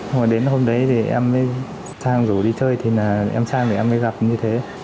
thế mà đến hôm đấy thì em với trang rủ đi chơi thì là em trang thì em mới gặp như thế